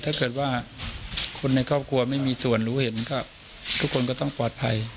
ถ้าเกิดว่าคนในครอบครัวไม่มีส่วนรู้เห็นก็ทุกคนก็ต้องปลอดภัย